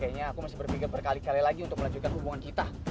kayaknya aku masih berpikir berkali kali lagi untuk melanjutkan hubungan kita